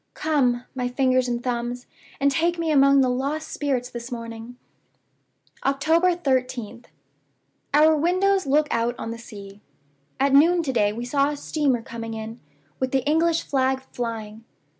Come, my fingers and thumbs, and take me among the lost spirits this morning!" "October 13th. Our windows look out on the sea. At noon to day we saw a steamer coming in, with the English flag flying.